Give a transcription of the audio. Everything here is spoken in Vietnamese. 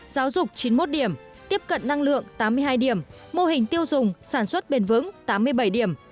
giáo dục chín mươi một điểm tiếp cận năng lượng tám mươi hai điểm mô hình tiêu dùng sản xuất bền vững tám mươi bảy điểm